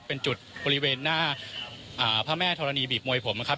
เป็นจุดบริเวณหน้าพระแม่ธรณีบีบมวยผมนะครับ